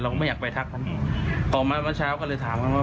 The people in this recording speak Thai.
เราก็ไม่อยากไปทักมันออกมาวันเช้าก็เลยถามว่า